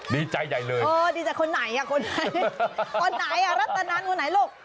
ดีใจใหญ่เลยคนไหนคนไหนรัตนันคนไหนลูก